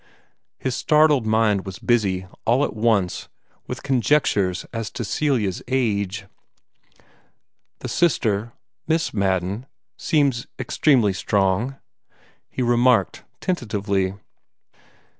His startled mind was busy, all at once, with conjectures as to Celia's age. "The sister Miss Madden seems extremely strong," he remarked tentatively.